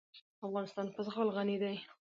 افغانستان په زغال غني دی.